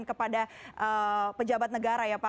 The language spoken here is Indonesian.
kepada pejabat negara ya pak